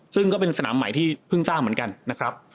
ซึ่งก็เป็นสนามใหม่ที่เพิ่งสร้างเหมือนกันนะครับ